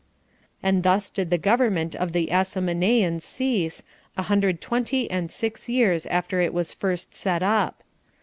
And thus did the government of the Asamoneans cease, a hundred twenty and six years after it was first set up.